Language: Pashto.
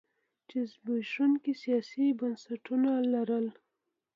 چې زبېښونکي سیاسي بنسټونه لرل.